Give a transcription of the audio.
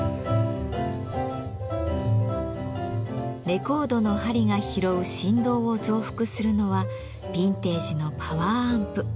レコードの針が拾う振動を増幅するのはビンテージのパワーアンプ。